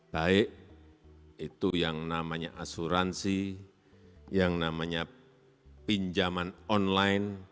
baik itu yang namanya asuransi yang namanya pinjaman online